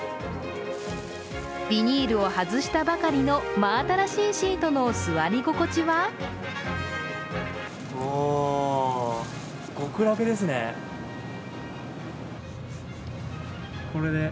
ビニールを外したばかりの真新しいシートの座り心地はお、極楽ですね。